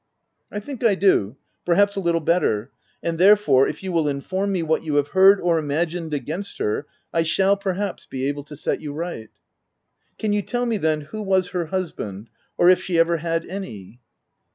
" I think I do, perhaps a little better ; and OF WILDFELL HALL. 159 therefore, if you will inform me what you have heard, or imagined against her, I shall, perhaps, be able to set you right." * Can you tell me, then, who was her hus band ; or if she ever had any